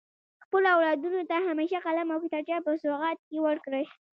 خپلو اولادونو ته همیشه قلم او کتابچه په سوغات کي ورکړئ.